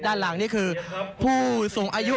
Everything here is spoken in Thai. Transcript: ด้านหลังนี่คือผู้สูงอายุ